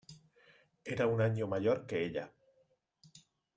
Era un año mayor que ella.